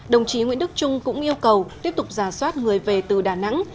đồng chí nguyễn đức trung cũng yêu cầu tiếp tục giả soát người về từ đà nẵng